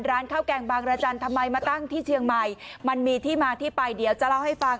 ร้านข้าวแกงบางรจันทร์ทำไมมาตั้งที่เชียงใหม่มันมีที่มาที่ไปเดี๋ยวจะเล่าให้ฟัง